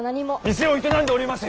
店を営んでおります